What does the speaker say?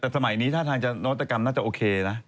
แต่สมัยนี้ท่าทางจะนวัตกรรมน่าจะโอเคนะ